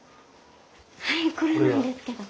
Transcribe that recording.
はいこれなんですけど。